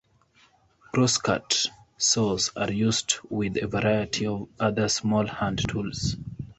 Crosscut saws are used with a variety of other small hand tools.